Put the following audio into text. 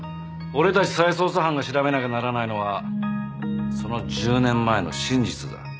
俺たち再捜査班が調べなきゃならないのはその１０年前の真実だ。